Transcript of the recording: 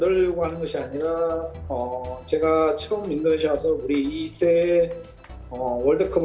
dan juga mereka juga memiliki lebih banyak waktu